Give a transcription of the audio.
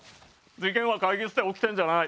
事件は会議室で起きてるんじゃない！